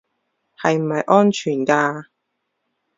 係咪安全㗎